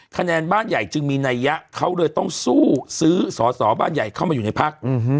คะแนนบ้านใหญ่จึงมีนัยยะเขาเลยต้องสู้ซื้อสอสอบ้านใหญ่เข้ามาอยู่ในพัก